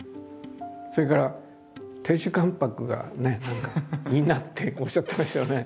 それから亭主関白がいいなっておっしゃってましたよね。